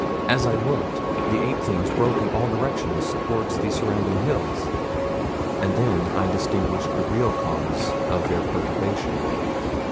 As I looked, the ape things broke in all directions toward the surrounding hills, and then I distinguished the real cause of their perturbation.